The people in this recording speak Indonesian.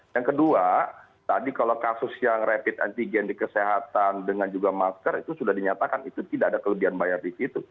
yang kedua tadi kalau kasus yang rapid antigen di kesehatan dengan juga masker itu sudah dinyatakan itu tidak ada kelebihan bayar di situ